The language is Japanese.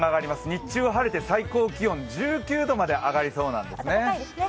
日中は晴れて最高気温１９度まで上がりそうなんですね。